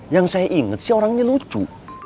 yang saya ingat sih orangnya lucu